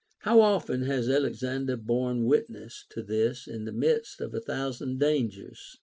... How often has Alexander borne witness to this in the midst of a thousand dangers